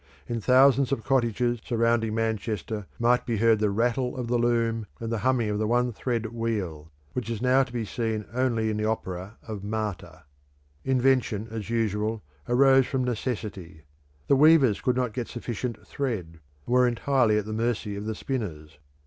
In thousands of cottages surrounding Manchester might be heard the rattle of the loom and the humming of the one thread wheel, which is now to be seen only in the opera of Marta. Invention, as usual, arose from necessity; the weavers could not get sufficient thread, and were entirely at the mercy of the spinners.